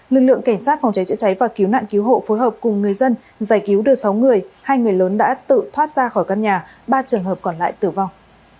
lực lượng cảnh sát phòng cháy chữa cháy và cứu nạn cứu hộ phối hợp cùng người dân giải cứu được sáu người hai người lớn đã tự thoát ra khỏi căn nhà ba trường hợp còn lại tử vong